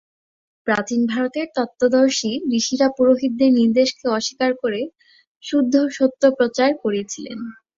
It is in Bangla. প্রাচীন ভারতের তত্ত্বদর্শী ঋষিরা পুরোহিতদের নির্দেশকে অস্বীকার করে শুদ্ধ সত্য প্রচার করেছিলেন।